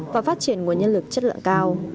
và phát triển nguồn nhân lực chất lượng cao